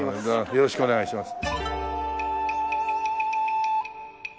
よろしくお願いします。